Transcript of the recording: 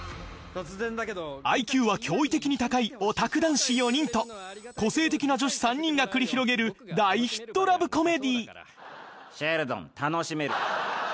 ＩＱは驚異的に高いオタク男子４人と個性的な女子３人が繰り広げる大ヒットラブ・コメディーシェルドン楽しめる。